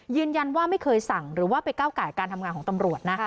ยืนยันว่าไม่เคยสั่งหรือว่าไปก้าวไก่การทำงานของตำรวจ